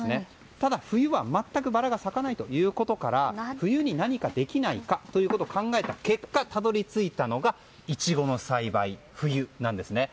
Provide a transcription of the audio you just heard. ただ、冬は全くバラが咲かないということから冬に何かできないか考えた結果たどり着いたのがイチゴの栽培冬なんですね。